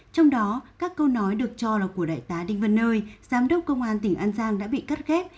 trong đó các câu nói được cho là của đại tá đinh văn nơi giám đốc công an tỉnh an giang đã bị cắt ghép